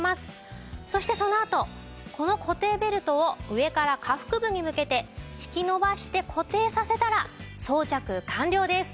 そしてそのあとこの固定ベルトを上から下腹部に向けて引き伸ばして固定させたら装着完了です。